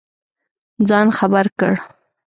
ځان خبر کړ.